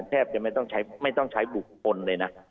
แทบจะไม่ต้องใช้บุคคลเลยนะ